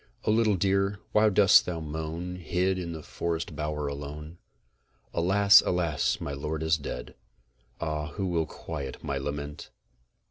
O LITTLE DEER, WHY DOST THOU MOAN, HID IN THY FOREST BOWER ALONE? Alas! alas! my lord is dead! Ah! who will quiet my lament?